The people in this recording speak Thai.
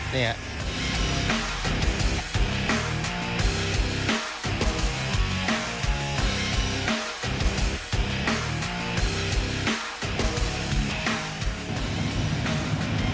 นี่ครับ